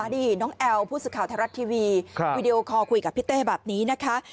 นี่น้องแอลผู้สื่อข่าวไทยรัฐทีวีวีดีโอคอลคุยกับพี่เต้แบบนี้นะคะ